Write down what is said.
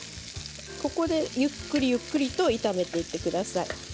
ゆっくりゆっくりと炒めていってください。